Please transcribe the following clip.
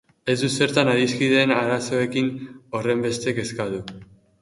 Ez dut zertan adiskideen arazoekin horrenbeste kezkatu.